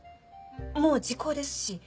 もう時効ですし。